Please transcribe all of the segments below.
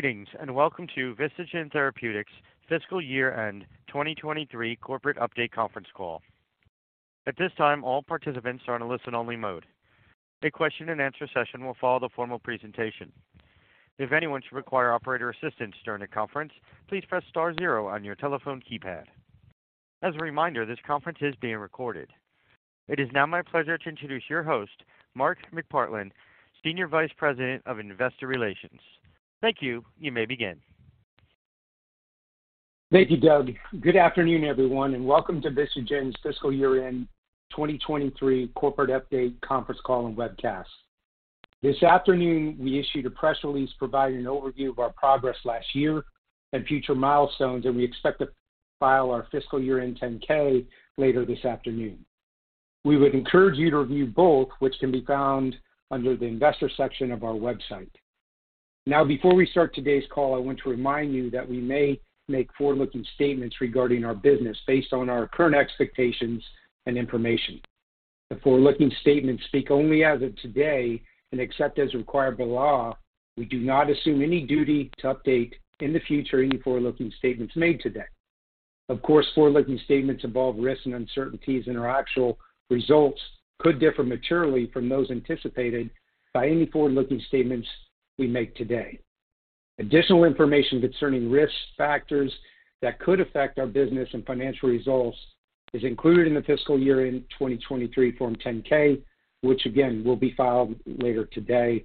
Greetings. Welcome to Vistagen Therapeutics Fiscal Year End 2023 Corporate Update Conference Call. At this time, all participants are on a listen-only mode. A question and answer session will follow the formal presentation. If anyone should require operator assistance during the conference, please press star zero on your telephone keypad. As a reminder, this conference is being recorded. It is now my pleasure to introduce your host, Mark McPartland, Senior Vice President of Investor Relations. Thank you. You may begin. Thank you, Doug. Welcome to Vistagen's Fiscal Year End 2023 Corporate Update Conference Call and webcast. This afternoon, we issued a press release providing an overview of our progress last year and future milestones. We expect to file our fiscal year end 10-K, later this afternoon. We would encourage you to review both, which can be found under the investor section of our website. Before we start today's call, I want to remind you that we may make forward-looking statements regarding our business based on our current expectations and information. The forward-looking statements speak only as of today. Except as required by law, we do not assume any duty to update in the future any forward-looking statements made today. Of course, forward-looking statements involve risks and uncertainties, and our actual results could differ materially from those anticipated by any forward-looking statements we make today. Additional information concerning risks, factors that could affect our business and financial results is included in the fiscal year end 2023 Form 10-K, which again will be filed later today,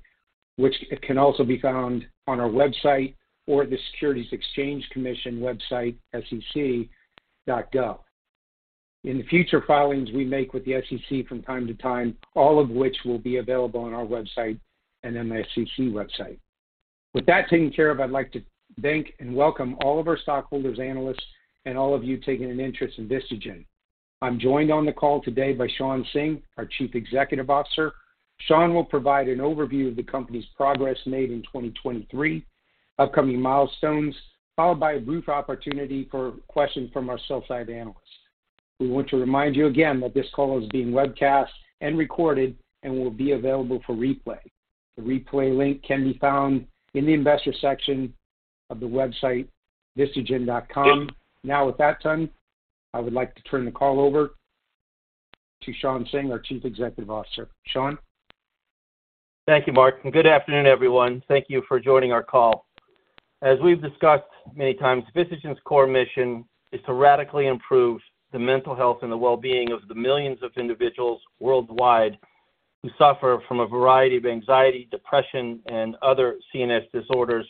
which can also be found on our website or the Securities and Exchange Commission website, sec.gov. In the future filings we make with the SEC from time to time, all of which will be available on our website and the SEC website. With that taken care of, I'd like to thank and welcome all of our stockholders, analysts, and all of you taking an interest in Vistagen. I'm joined on the call today by Shawn Singh, our Chief Executive Officer. Shawn will provide an overview of the company's progress made in 2023, upcoming milestones, followed by a brief opportunity for questions from our sell side analysts. We want to remind you again that this call is being webcast and recorded and will be available for replay. The replay link can be found in the investor section of the website, vistagen.com. Now, with that done, I would like to turn the call over to Shawn Singh, our Chief Executive Officer. Shawn? Thank you, Mark. Good afternoon, everyone. Thank you for joining our call. As we've discussed many times, Vistagen's core mission is to radically improve the mental health and the well-being of the millions of individuals worldwide who suffer from a variety of anxiety, depression, and other CNS disorders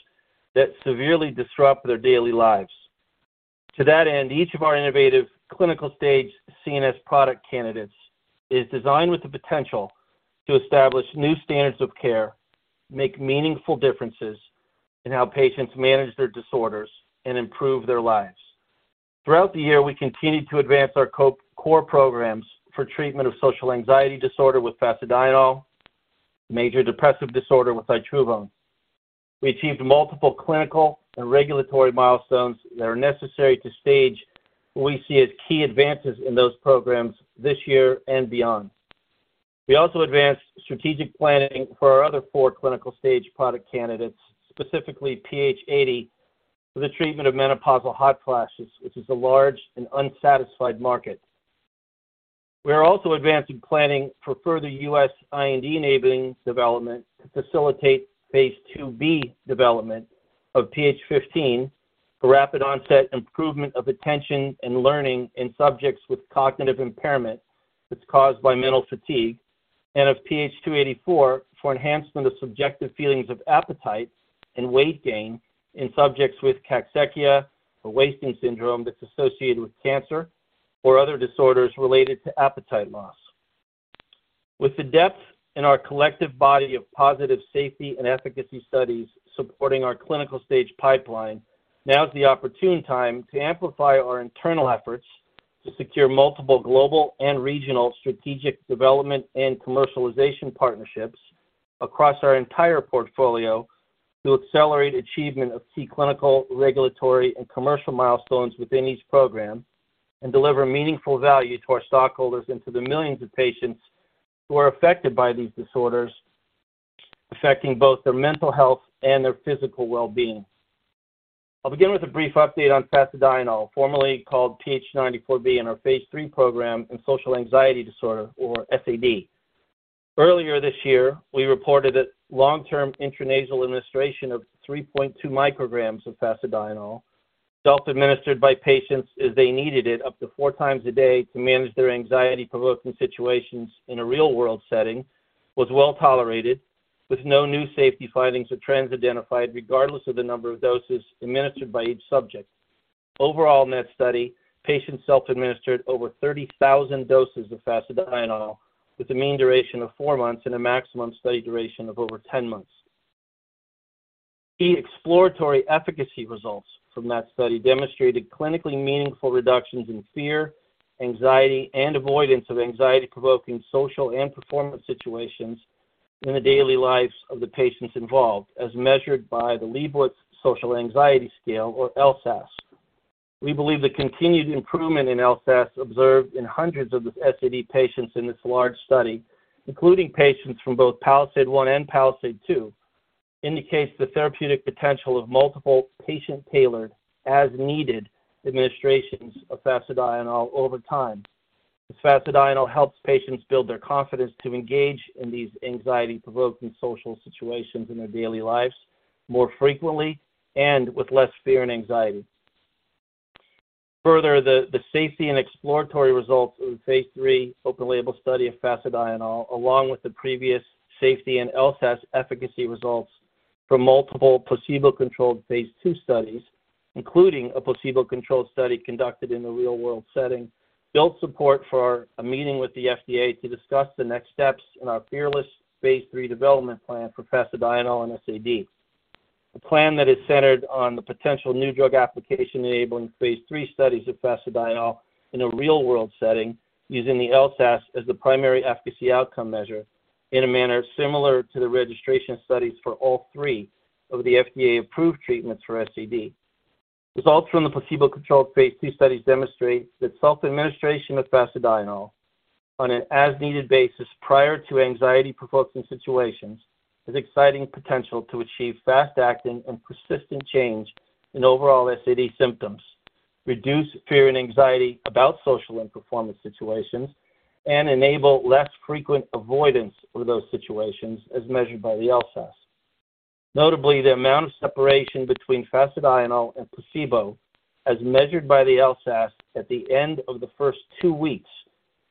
that severely disrupt their daily lives. To that end, each of our innovative clinical stage CNS product candidates is designed with the potential to establish new standards of care, make meaningful differences in how patients manage their disorders, and improve their lives. Throughout the year, we continued to advance our core programs for treatment of social anxiety disorder with Fasedienol, major depressive disorder with Itruvone. We achieved multiple clinical and regulatory milestones that are necessary to stage what we see as key advances in those programs this year and beyond. We also advanced strategic planning for our other 4 clinical stage product candidates, specifically PH80, for the treatment of menopausal hot flashes, which is a large and unsatisfied market. We are also advancing planning for further U.S. IND-enabling development to facilitate phase IIb development of PH15 for rapid onset improvement of attention and learning in subjects with cognitive impairment that's caused by mental fatigue, and of PH284 for enhancement of subjective feelings of appetite and weight gain in subjects with cachexia or wasting syndrome that's associated with cancer or other disorders related to appetite loss. With the depth in our collective body of positive safety and efficacy studies supporting our clinical stage pipeline, now is the opportune time to amplify our internal efforts to secure multiple global and regional strategic development and commercialization partnerships across our entire portfolio to accelerate achievement of key clinical, regulatory and commercial milestones within each program and deliver meaningful value to our stockholders and to the millions of patients who are affected by these disorders, affecting both their mental health and their physical well-being. I'll begin with a brief update on Fasedienol, formerly called PH94B, in our phase III program in social anxiety disorder, or SAD. Earlier this year, we reported that long-term intranasal administration of 3.2 micrograms of Fasedienol, self-administered by patients as they needed it, up to four times a day to manage their anxiety-provoking situations in a real-world setting, was well tolerated, with no new safety findings or trends identified, regardless of the number of doses administered by each subject. Overall, in that study, patients self-administered over 30,000 doses of Fasedienol, with a mean duration of four months and a maximum study duration of over 10 months. The exploratory efficacy results from that study demonstrated clinically meaningful reductions in fear, anxiety, and avoidance of anxiety-provoking social and performance situations in the daily lives of the patients involved, as measured by the Liebowitz Social Anxiety Scale, or LSAS. We believe the continued improvement in LSAS observed in hundreds of the SAD patients in this large study, including patients from both PALISADE-1 and PALISADE-2, indicates the therapeutic potential of multiple patient-tailored, as-needed administrations of Fasedienol over time. Fasedienol helps patients build their confidence to engage in these anxiety-provoking social situations in their daily lives more frequently and with less fear and anxiety. Further, the safety and exploratory results of the phase III open-label study of Fasedienol, along with the previous safety and LSAS efficacy results from multiple placebo-controlled phase II studies, including a placebo-controlled study conducted in the real-world setting, built support for a meeting with the FDA to discuss the next steps in our FEARLESS phase III development plan for Fasedienol and SAD. A plan that is centered on the potential new drug application, enabling phase III studies of Fasedienol in a real-world setting, using the LSAS as the primary efficacy outcome measure, in a manner similar to the registration studies for all three of the FDA-approved treatments for SAD. Results from the placebo-controlled phase II studies demonstrate that self-administration of Fasedienol on an as-needed basis prior to anxiety-provoking situations, has exciting potential to achieve fast-acting and persistent change in overall SAD symptoms, reduce fear and anxiety about social and performance situations, and enable less frequent avoidance of those situations as measured by the LSAS. Notably, the amount of separation between Fasedienol and placebo, as measured by the LSAS at the end of the first two weeks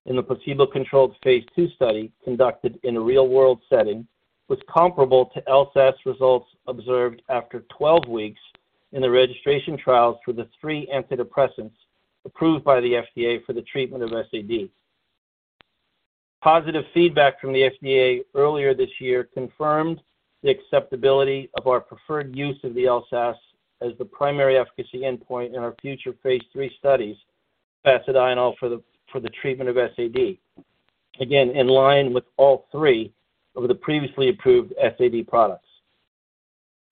in the placebo-controlled phase II study conducted in a real-world setting, was comparable to LSAS results observed after 12 weeks in the registration trials for the three antidepressants approved by the FDA for the treatment of SAD. Positive feedback from the FDA earlier this year confirmed the acceptability of our preferred use of the LSAS as the primary efficacy endpoint in our future phase III studies, Fasedienol for the treatment of SAD. In line with all 3 of the previously approved SAD products.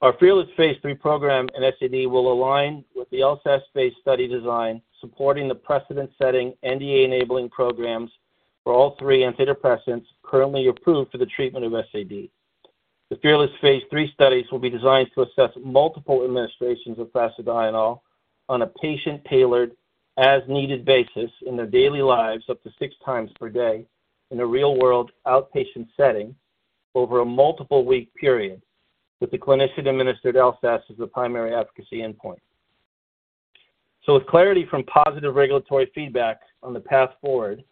Our FEARLESS phase III program in SAD will align with the LSAS-based study design, supporting the precedent-setting NDA-enabling programs for all 3 antidepressants currently approved for the treatment of SAD. The FEARLESS phase III studies will be designed to assess multiple administrations of Fasedienol on a patient-tailored, as-needed basis in their daily lives, up to six times per day, in a real-world outpatient setting over a multiple week period, with the clinician-administered LSAS as the primary efficacy endpoint. With clarity from positive regulatory feedback on the path forward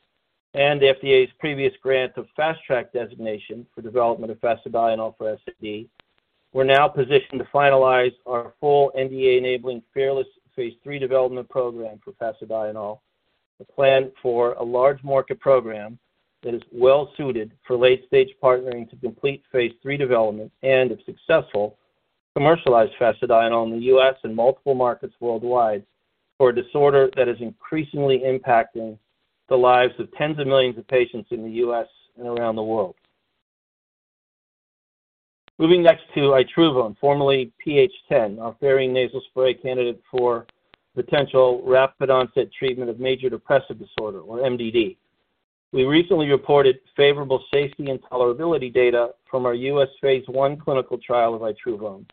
and the FDA's previous grant of Fast Track designation for development of Fasedienol for SAD, we're now positioned to finalize our full NDA-enabling FEARLESS phase III development program for Fasedienol, a plan for a large market program that is well suited for late-stage partnering to complete phase III development, and, if successful, commercialize Fasedienol in the U.S. and multiple markets worldwide for a disorder that is increasingly impacting the lives of tens of millions of patients in the U.S. and around the world. Moving next to Itruvone, formerly PH10, our Pherine nasal spray candidate for potential rapid onset treatment of major depressive disorder or MDD. We recently reported favorable safety and tolerability data from our U.S. Phase I clinical trial of Itruvone.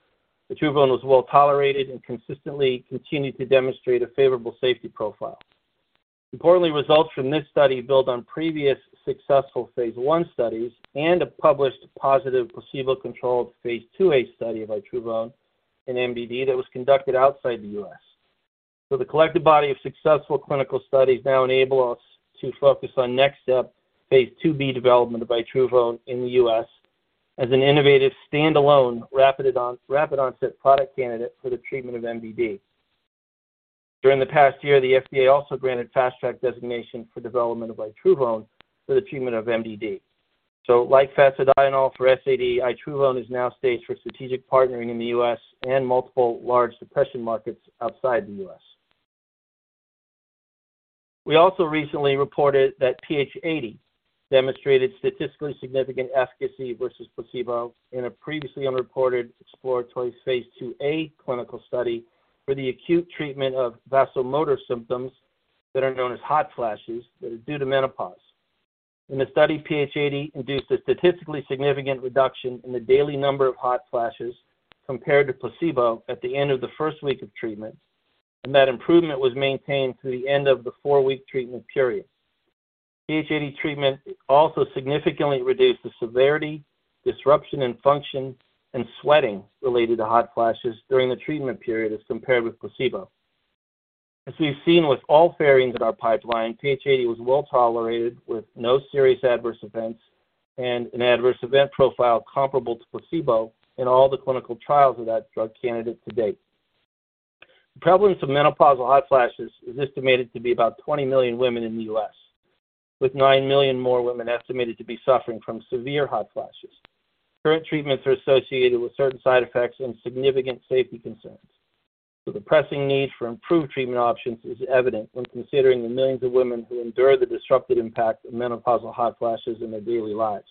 Itruvone was well tolerated and consistently continued to demonstrate a favorable safety profile. Importantly, results from this study build on previous successful Phase I studies and a published positive placebo-controlled Phase IIa study of Itruvone in MDD that was conducted outside the U.S. The collective body of successful clinical studies now enable us to focus on next step, Phase IIb development of Itruvone in the U.S. as an innovative, standalone, rapid-onset product candidate for the treatment of MDD. During the past year, the FDA also granted Fast Track designation for development of Itruvone for the treatment of MDD. Like Fasedienol for SAD, Itruvone is now staged for strategic partnering in the U.S. and multiple large depression markets outside the U.S. We also recently reported that PH80 demonstrated statistically significant efficacy versus placebo in a previously unreported exploratory phase IIa clinical study for the acute treatment of vasomotor symptoms that are known as hot flashes, that are due to menopause. In the study, PH80 induced a statistically significant reduction in the daily number of hot flashes compared to placebo at the end of the first week of treatment, and that improvement was maintained through the end of the four-week treatment period. PH80 treatment also significantly reduced the severity, disruption in function, and sweating related to hot flashes during the treatment period as compared with placebo. As we've seen with all Pherines in our pipeline, PH80 was well tolerated, with no serious adverse events and an adverse event profile comparable to placebo in all the clinical trials of that drug candidate to date. The prevalence of menopausal hot flashes is estimated to be about 20 million women in the U.S., with 9 million more women estimated to be suffering from severe hot flashes. Current treatments are associated with certain side effects and significant safety concerns. The pressing need for improved treatment options is evident when considering the millions of women who endure the disruptive impact of menopausal hot flashes in their daily lives.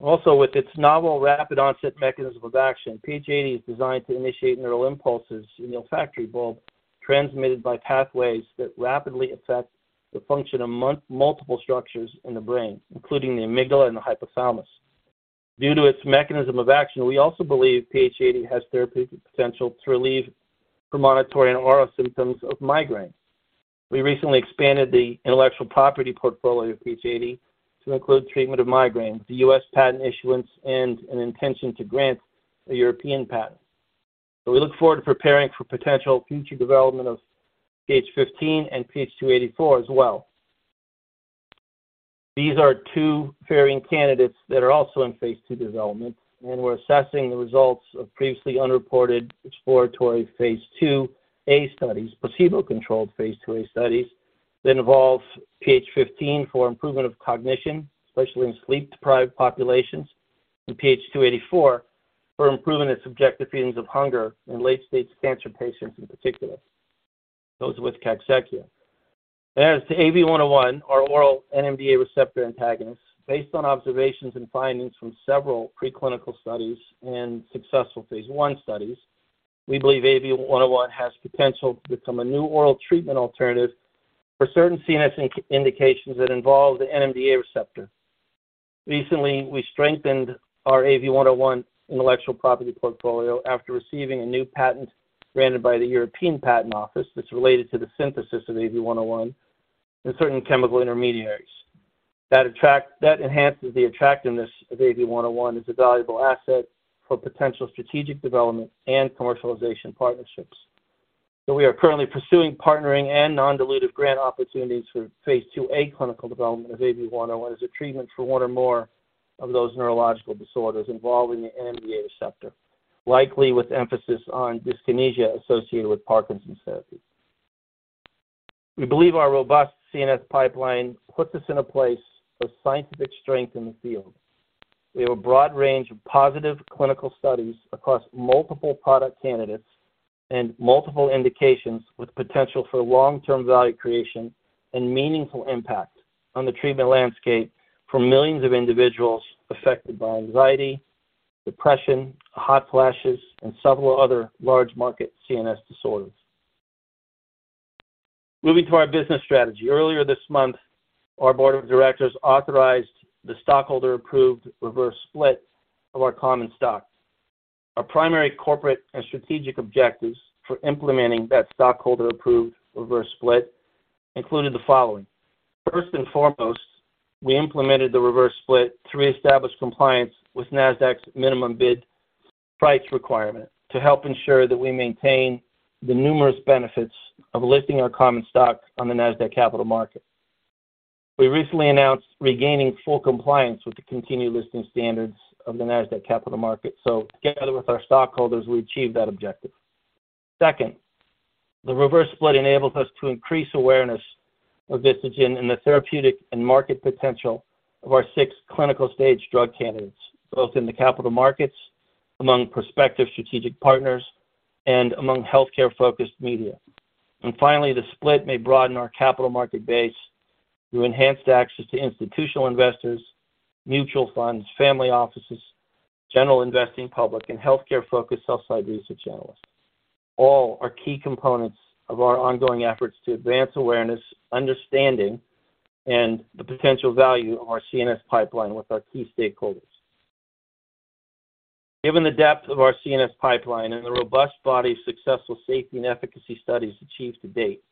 With its novel rapid onset mechanism of action, PH80 is designed to initiate neural impulses in the olfactory bulb, transmitted by pathways that rapidly affect the function of multiple structures in the brain, including the amygdala and the hypothalamus. Due to its mechanism of action, we also believe PH80 has therapeutic potential to relieve premonitory and oral symptoms of migraines. We recently expanded the intellectual property portfolio of PH80 to include treatment of migraines, the U.S. patent issuance, and an intention to grant a European patent. We look forward to preparing for potential future development of PH15 and PH284 as well. These are two Pherine candidates that are also in phase II development, and we're assessing the results of previously unreported exploratory phase IIa studies, placebo-controlled phase IIa studies, that involve PH15 for improvement of cognition, especially in sleep-deprived populations, and PH284 for improvement in subjective feelings of hunger in late-stage cancer patients, in particular, those with cachexia. As to AV-101, our oral NMDA receptor antagonist, based on observations and findings from several preclinical studies and successful phase 1 studies, we believe AV-101 has potential to become a new oral treatment alternative for certain CNS indications that involve the NMDA receptor. Recently, we strengthened our AV-101 intellectual property portfolio after receiving a new patent granted by the European Patent Office that's related to the synthesis of AV-101 and certain chemical intermediaries. That enhances the attractiveness of AV-101 as a valuable asset for potential strategic development and commercialization partnerships. We are currently pursuing partnering and non-dilutive grant opportunities for phase II a clinical development of AV-101 as a treatment for one or more of those neurological disorders involving the NMDA receptor, likely with emphasis on dyskinesia associated with Parkinson's disease. We believe our robust CNS pipeline puts us in a place of scientific strength in the field. We have a broad range of positive clinical studies across multiple product candidates and multiple indications, with potential for long-term value creation and meaningful impact on the treatment landscape for millions of individuals affected by anxiety, depression, hot flashes, and several other large-market CNS disorders. Moving to our business strategy. Earlier this month, our board of directors authorized the stockholder-approved reverse split of our common stock. Our primary corporate and strategic objectives for implementing that stockholder-approved reverse split included the following: First and foremost, we implemented the reverse split to reestablish compliance with Nasdaq's minimum bid price requirement to help ensure that we maintain the numerous benefits of listing our common stock on the Nasdaq Capital Market. We recently announced regaining full compliance with the continued listing standards of the Nasdaq Capital Market. Together with our stockholders, we achieved that objective. Second, the reverse split enables us to increase awareness of Vistagen and the therapeutic and market potential of our six clinical stage drug candidates, both in the capital markets, among prospective strategic partners, and among healthcare-focused media. Finally, the split may broaden our capital market base through enhanced access to institutional investors, mutual funds, family offices, general investing public, and healthcare-focused sell-side research analysts. All are key components of our ongoing efforts to advance awareness, understanding, and the potential value of our CNS pipeline with our key stakeholders. Given the depth of our CNS pipeline and the robust body of successful safety and efficacy studies achieved to date,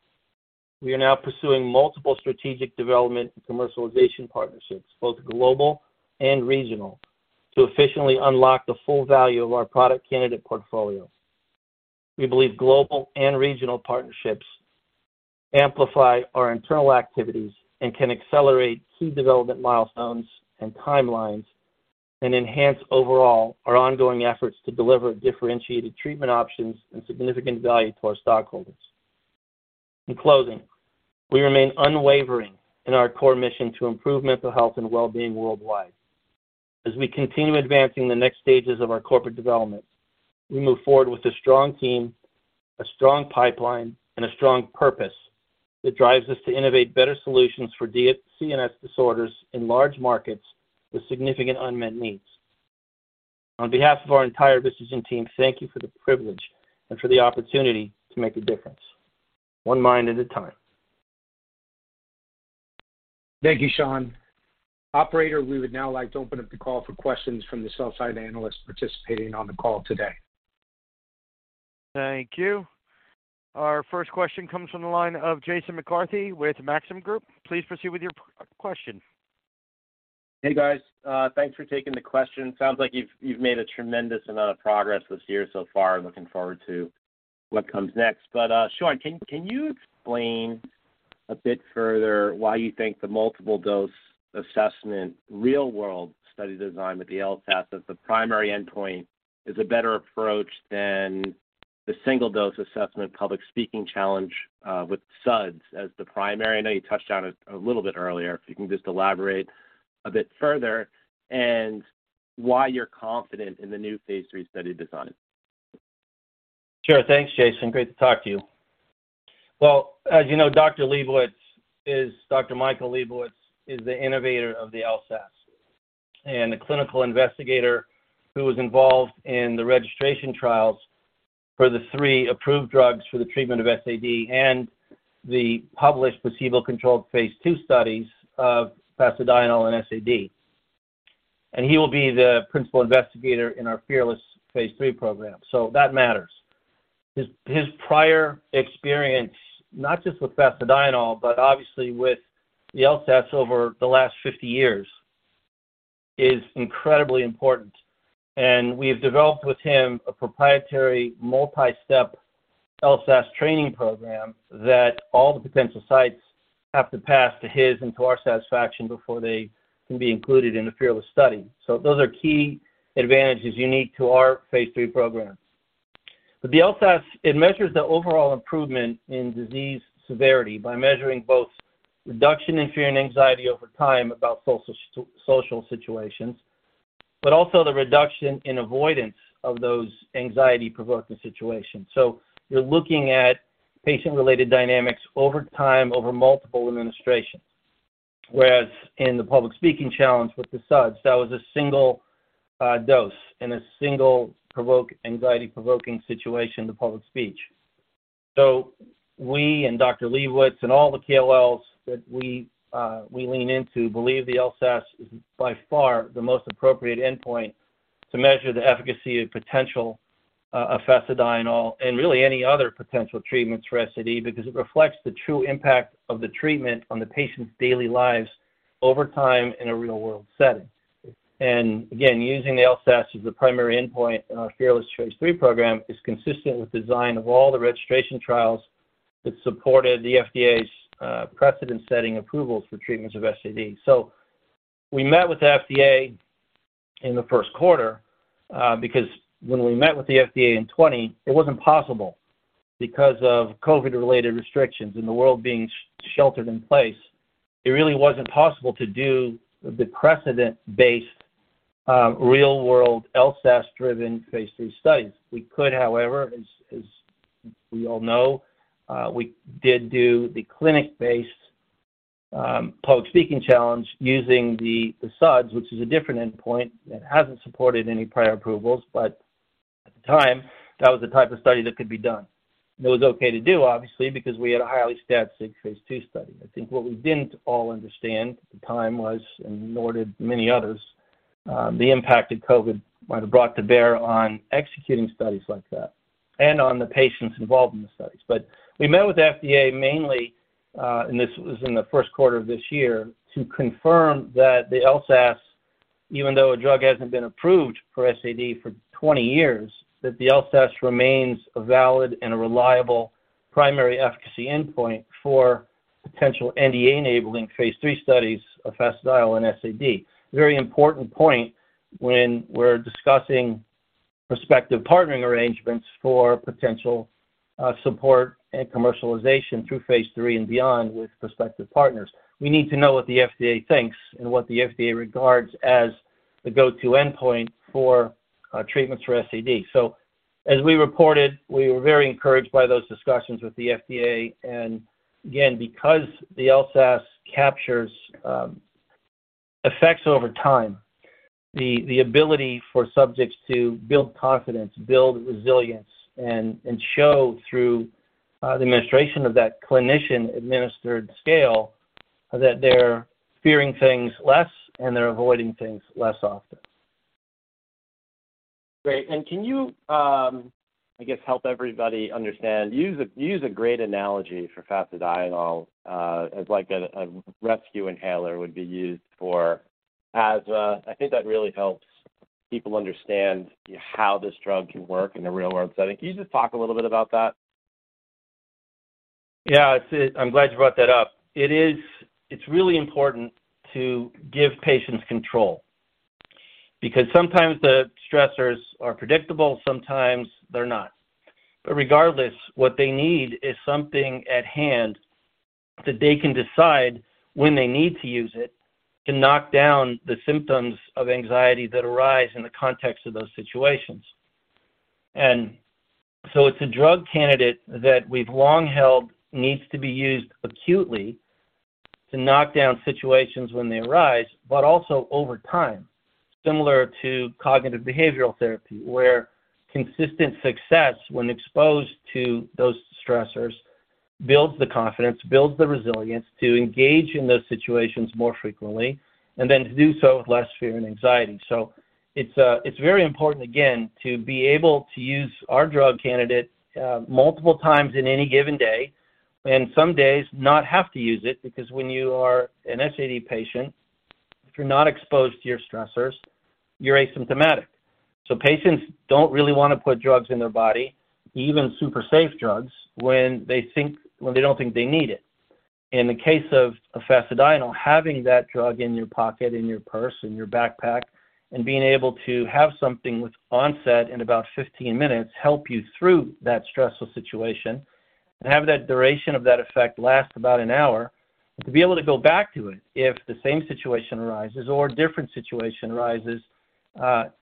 we are now pursuing multiple strategic development and commercialization partnerships, both global and regional, to efficiently unlock the full value of our product candidate portfolio. We believe global and regional partnerships amplify our internal activities and can accelerate key development milestones and timelines, and enhance overall our ongoing efforts to deliver differentiated treatment options and significant value to our stockholders. In closing, we remain unwavering in our core mission to improve mental health and well-being worldwide. As we continue advancing the next stages of our corporate development, we move forward with a strong team, a strong pipeline, and a strong purpose that drives us to innovate better solutions for CNS disorders in large markets with significant unmet needs. On behalf of our entire Vistagen team, thank you for the privilege and for the opportunity to make a difference, one mind at a time. Thank you, Shawn. Operator, we would now like to open up the call for questions from the sell-side analysts participating on the call today. Thank you. Our first question comes from the line of Jason McCarthy with Maxim Group. Please proceed with your question. Hey, guys. Thanks for taking the question. Sounds like you've made a tremendous amount of progress this year so far. Looking forward to what comes next. Shawn, can you explain a bit further why you think the multiple dose assessment real-world study design with the LSAS as the primary endpoint is a better approach than the single dose assessment public speaking challenge, with SUDS as the primary? I know you touched on it a little bit earlier. If you can just elaborate a bit further and why you're confident in the new phase III study design? Sure. Thanks, Jason. Great to talk to you. Well, as you know, Dr. Liebowitz and Dr. Michael Liebowitz are the innovator of the LSAS, and the clinical investigator who was involved in the registration trials for the three approved drugs for the treatment of SAD and the published placebo-controlled phase II studies of Fasedienol and SAD. He will be the principal investigator in our FEARLESS phase III program, so that matters. His prior experience, not just with Fasedienol, but obviously with the LSAS over the last 50 years, is incredibly important. We've developed with him a proprietary multi-step LSAS training program, that all the potential sites have to pass to his and to our satisfaction before they can be included in the FEARLESS study. Those are key advantages unique to our phase III program. The LSAS, it measures the overall improvement in disease severity by measuring both reduction in fear and anxiety over time about social situations, but also the reduction in avoidance of those anxiety-provoking situations. You're looking at patient-related dynamics over time, over multiple administrations. Whereas in the public speaking challenge with the SUDS, that was a single dose in a single anxiety-provoking situation, the public speech. We and Dr. Liebowitz and all the KOLs that we lean into, believe the LSAS is by far the most appropriate endpoint to measure the efficacy and potential of Fasedienol, and really any other potential treatments for SAD, because it reflects the true impact of the treatment on the patient's daily lives over time in a real-world setting. Again, using the LSAS as the primary endpoint in our FEARLESS phase III program, is consistent with design of all the registration trials that supported the FDA's precedent-setting approvals for treatments of SAD. We met with the FDA in the first quarter, because when we met with the FDA in 20, it wasn't possible because of COVID-related restrictions and the world being sheltered in place. It really wasn't possible to do the precedent-based, real-world LSAS-driven phase III studies. We could, however, as we all know, we did do the clinic-based public speaking challenge using the SUDS, which is a different endpoint that hasn't supported any prior approvals, but at the time, that was the type of study that could be done. It was okay to do, obviously, because we had a highly statistic phase II study. I think what we didn't all understand at the time was, nor did many others, the impact that COVID might have brought to bear on executing studies like that and on the patients involved in the studies. We met with the FDA mainly, and this was in the 1st quarter of this year, to confirm that the LSAS, even though a drug hasn't been approved for SAD for 20 years, that the LSAS remains a valid and a reliable primary efficacy endpoint for potential NDA-enabling phase III studies of Fasedienol and SAD. Very important point when we're discussing prospective partnering arrangements for potential support and commercialization through phase III and beyond with prospective partners. We need to know what the FDA thinks and what the FDA regards as the go-to endpoint for treatments for SAD. As we reported, we were very encouraged by those discussions with the FDA. Again, because the LSAS captures effects over time, the ability for subjects to build confidence, build resilience, and show through the administration of that clinician-administered scale, that they're fearing things less and they're avoiding things less often. Great. Can you, I guess, help everybody understand. You use a great analogy for Fasedienol, as like a rescue inhaler would be used for asthma. I think that really helps people understand how this drug can work in a real-world setting. Can you just talk a little bit about that? Yeah, it's. I'm glad you brought that up. It's really important to give patients control because sometimes the stressors are predictable, sometimes they're not. Regardless, what they need is something at hand that they can decide when they need to use it, to knock down the symptoms of anxiety that arise in the context of those situations. It's a drug candidate that we've long held needs to be used acutely to knock down situations when they arise, but also over time, similar to cognitive behavioral therapy, where consistent success when exposed to those stressors, builds the confidence, builds the resilience to engage in those situations more frequently, and then to do so with less fear and anxiety. It's very important, again, to be able to use our drug candidate, multiple times in any given day, and some days not have to use it, because when you are an SAD patient, if you're not exposed to your stressors, you're asymptomatic. Patients don't really want to put drugs in their body, even super safe drugs, when they don't think they need it. In the case of Fasedienol, having that drug in your pocket, in your purse, in your backpack, and being able to have something with onset in about 15 minutes, help you through that stressful situation, and have that duration of that effect last about an hour to be able to go back to it if the same situation arises or a different situation arises,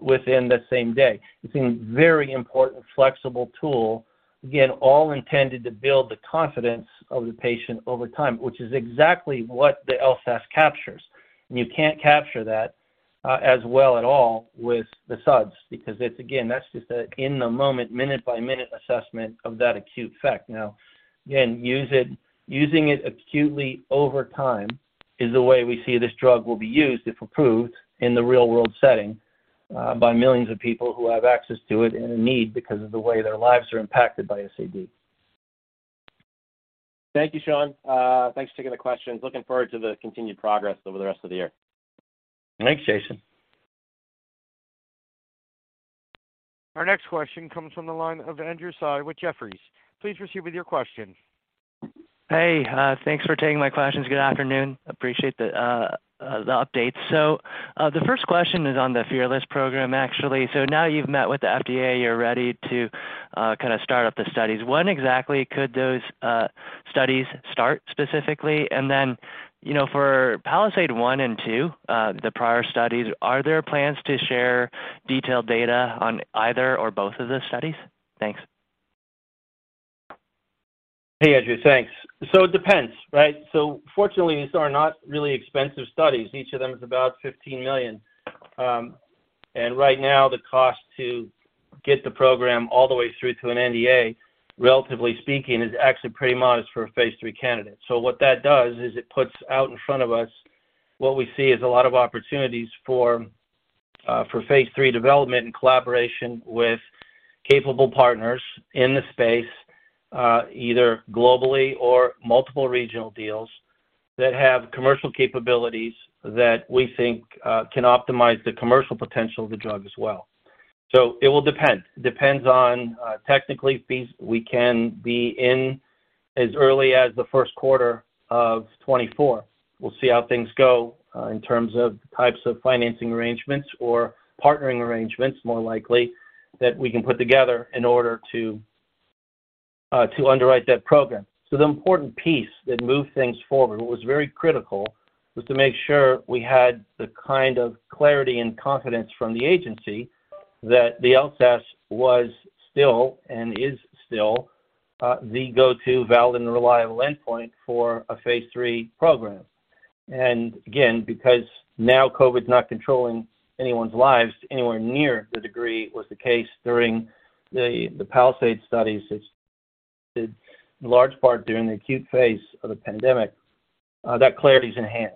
within the same day. It's a very important, flexible tool, again, all intended to build the confidence of the patient over time, which is exactly what the LSAS captures. You can't capture that as well at all with the SUDS, because it's, again, that's just a in the moment, minute-by-minute assessment of that acute effect. Again, use it. Using it acutely over time is the way we see this drug will be used if approved in the real-world setting by millions of people who have access to it and a need because of the way their lives are impacted by SAD. Thank you, Shawn. Thanks for taking the questions. Looking forward to the continued progress over the rest of the year. Thanks, Jason. Our next question comes from the line of Andrew Tsai with Jefferies. Please proceed with your question. Hey, thanks for taking my questions. Good afternoon. Appreciate the updates. The first question is on the FEARLESS program, actually. Now you've met with the FDA, you're ready to kinda start up the studies. When exactly could those studies start specifically? Then, you know, for PALISADE -1 and PALISADE-2, the prior studies, are there plans to share detailed data on either or both of the studies? Thanks. Hey, Andrew. Thanks. It depends, right? Fortunately, these are not really expensive studies. Each of them is about $15 million. And right now, the cost to get the program all the way through to an NDA, relatively speaking, is actually pretty modest for a phase III candidate. What that does is it puts out in front of us what we see as a lot of opportunities for phase III development in collaboration with capable partners in the space, either globally or multiple regional deals, that have commercial capabilities that we think can optimize the commercial potential of the drug as well. It will depend. Depends on, technically, fees. We can be in as early as the first quarter of 2024. We'll see how things go in terms of types of financing arrangements or partnering arrangements, more likely, that we can put together in order to underwrite that program. The important piece that moved things forward, what was very critical, was to make sure we had the kind of clarity and confidence from the agency that the LSAS was still, and is still, the go-to valid and reliable endpoint for a phase III program. Again, because now COVID's not controlling anyone's lives anywhere near the degree it was the case during the PALISADE studies, it's in large part during the acute phase of the pandemic, that clarity is in hand.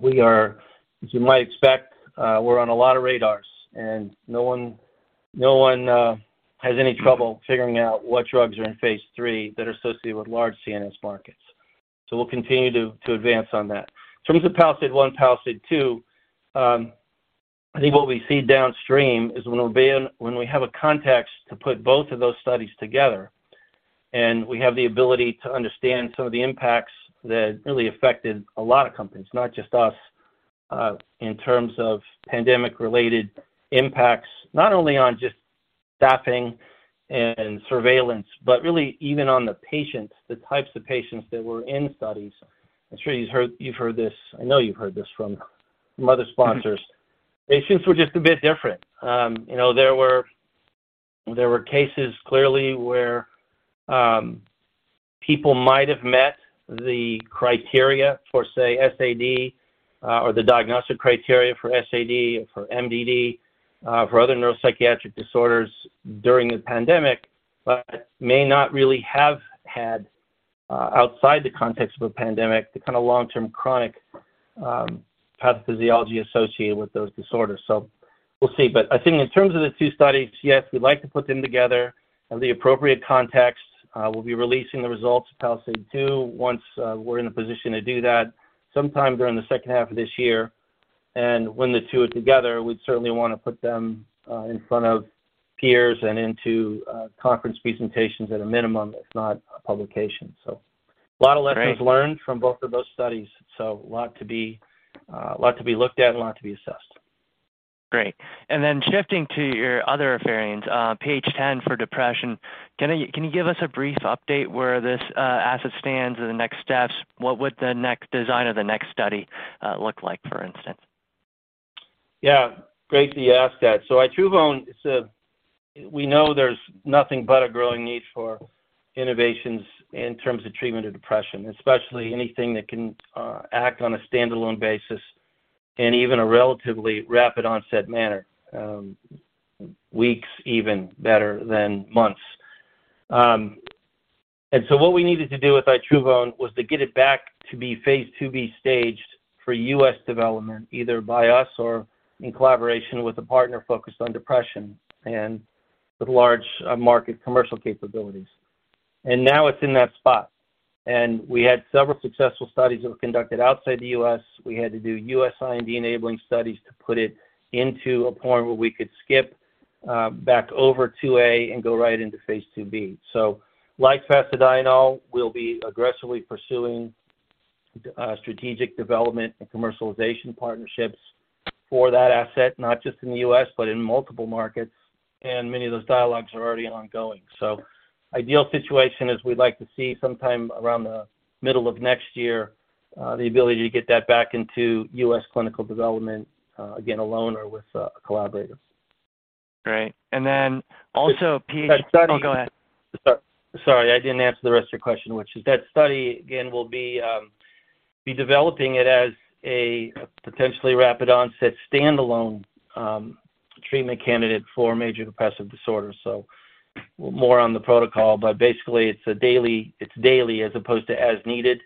We are, as you might expect, we're on a lot of radars, and no one, no one has any trouble figuring out what drugs are in phase III that are associated with large CNS markets. We'll continue to advance on that. In terms of PALISADE I, PALISADE II, I think what we see downstream is when we have a context to put both of those studies together, and we have the ability to understand some of the impacts that really affected a lot of companies, not just us, in terms of pandemic-related impacts, not only on just staffing and surveillance, but really even on the patients, the types of patients that were in studies. I'm sure you've heard this. I know you've heard this from other sponsors. Patients were just a bit different. You know, there were cases, clearly, where people might have met the criteria for, say, SAD, or the diagnostic criteria for SAD, or for MDD, for other neuropsychiatric disorders during the pandemic, but may not really have had, outside the context of a pandemic, the kind of long-term chronic pathophysiology associated with those disorders. We'll see. I think in terms of the two studies, yes, we'd like to put them together in the appropriate context. We'll be releasing the results of PALISADE II once we're in a position to do that, sometime during the second half of this year. When the two are together, we'd certainly wanna put them in front of peers and into conference presentations at a minimum, if not a publication. A lot of lessons learned from both of those studies. A lot to be looked at and a lot to be assessed. Great. Shifting to your other affairs, 10 for depression, can you give us a brief update where this asset stands in the next steps? What would the next design of the next study look like, for instance? Yeah, great that you ask that Itruvone, we know there's nothing but a growing need for innovations in terms of treatment of depression, especially anything that can act on a standalone basis and even a relatively rapid onset manner, weeks even better than months. What we needed to do with Itruvone was to get it back to be phase IIb staged for U.S. development, either by us or in collaboration with a partner focused on depression and with large market commercial capabilities. Now it's in that spot, and we had several successful studies that were conducted outside the U.S. We had to do U.S. IND-enabling studies to put it into a point where we could skip back over to A and go right into phase IIb. Like Fasedienol, we'll be aggressively pursuing strategic development and commercialization partnerships for that asset, not just in the U.S., but in multiple markets, and many of those dialogues are already ongoing. Ideal situation is we'd like to see sometime around the middle of next year, the ability to get that back into U.S. clinical development, again, alone or with collaborators. Great. Then also. That study. Oh, go ahead. Sorry, I didn't answer the rest of your question, which is that study, again, will be developing it as a potentially rapid onset standalone, treatment candidate for major depressive disorder. More on the protocol, but basically it's daily as opposed to as needed,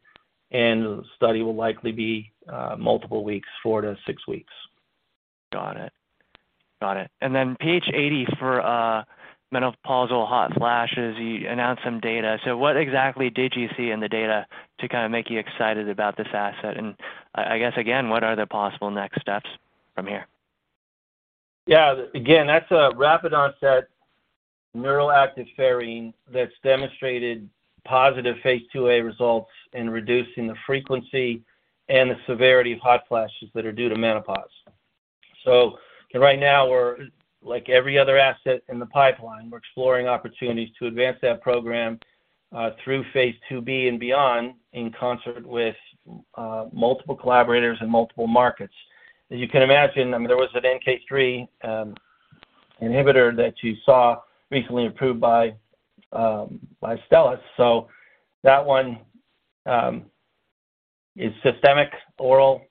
and the study will likely be multiple weeks, four to six weeks. Got it. PH80 for menopausal hot flashes, you announced some data. What exactly did you see in the data to kind of make you excited about this asset? I guess, again, what are the possible next steps from here? Yeah, again, that's a rapid onset neuroactive Pherine that's demonstrated positive phase II a results in reducing the frequency and the severity of hot flashes that are due to menopause. Right now we're, like every other asset in the pipeline, we're exploring opportunities to advance that program through phase IIb and beyond in concert with multiple collaborators in multiple markets. As you can imagine, I mean, there was an NK3 inhibitor that you saw recently approved by Astellas. That one is systemic, oral.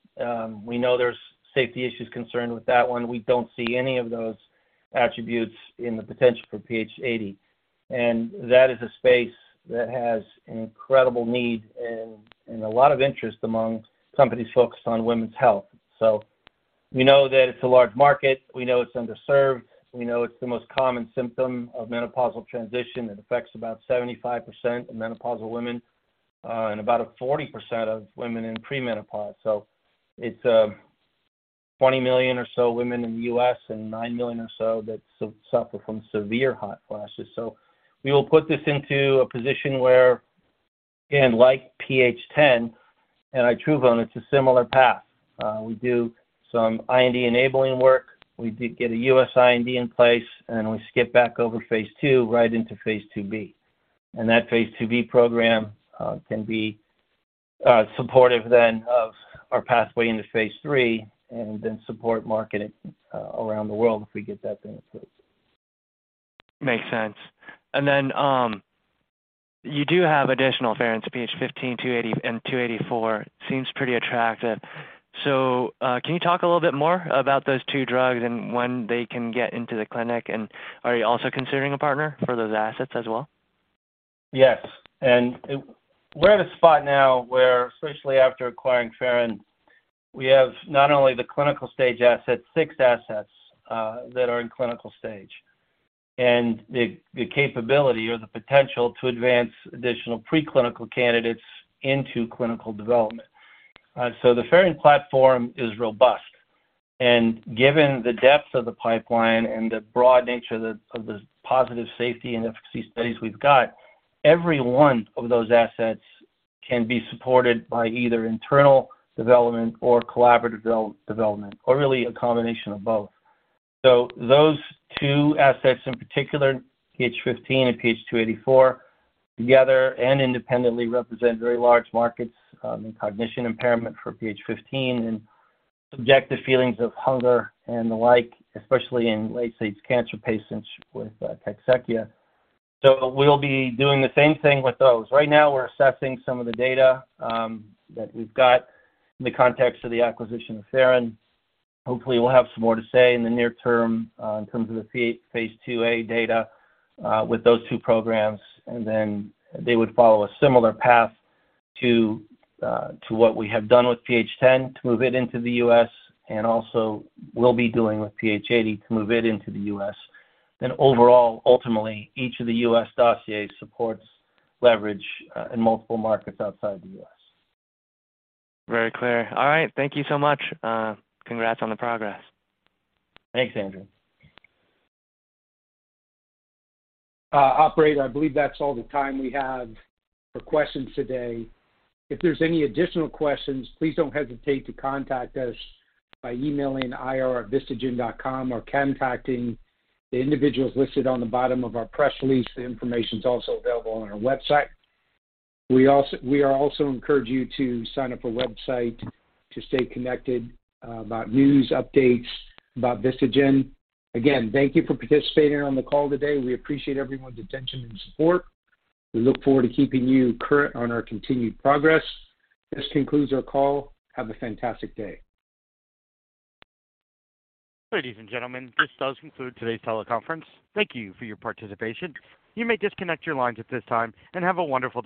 We know there's safety issues concerned with that one. We don't see any of those attributes in the potential for PH80. That is a space that has an incredible need and a lot of interest among companies focused on women's health. We know that it's a large market. We know it's underserved. We know it's the most common symptom of menopausal transition. It affects about 75% of menopausal women, and about 40% of women in perimenopause. It's $20 million or so women in the U.S. and $9 million or so that suffer from severe hot flashes. We will put this into a position where, again, like PH10 and Itruvone, it's a similar path. We do some IND enabling work. We did get a U.S. IND in place, and we skip back over phase II right into phase IIb. That phase IIb program can be supportive then of our pathway into phase III and then support marketing around the world if we get that thing approved. Makes sense. Then, you do have additional Pherines, PH15, PH284. Seems pretty attractive. Can you talk a little bit more about those two drugs and when they can get into the clinic? Are you also considering a partner for those assets as well? Yes, we're at a spot now where, especially after acquiring Pherin, we have not only the clinical stage assets, six assets, that are in clinical stage, and the capability or the potential to advance additional preclinical candidates into clinical development. The Pherin platform is robust, and given the depth of the pipeline and the broad nature of the positive safety and efficacy studies we've got, every one of those assets can be supported by either internal development or collaborative development, or really a combination of both. Those two assets, in particular, PH15 and PH284, together and independently represent very large markets, in cognition impairment for PH15 and subjective feelings of hunger and the like, especially in late-stage cancer patients with cachexia. We'll be doing the same thing with those. Right now, we're assessing some of the data that we've got in the context of the acquisition of Pherin. Hopefully, we'll have some more to say in the near term, in terms of the phase II a data, with those two programs, and then they would follow a similar path to what we have done with PH10 to move it into the U.S. and also will be doing with PH80 to move it into the U.S. Overall, ultimately, each of the U.S. dossiers supports leverage, in multiple markets outside the U.S. Very clear. All right. Thank you so much. Congrats on the progress. Thanks, Andrew. Operator, I believe that's all the time we have for questions today. If there's any additional questions, please don't hesitate to contact us by emailing ir@vistagen.com or contacting the individuals listed on the bottom of our press release. The information is also available on our website. We are also encourage you to sign up for website to stay connected about news, updates about Vistagen. Again, thank you for participating on the call today. We appreciate everyone's attention and support. We look forward to keeping you current on our continued progress. This concludes our call. Have a fantastic day. Ladies and gentlemen, this does conclude today's teleconference. Thank you for your participation. You may disconnect your lines at this time, and have a wonderful day.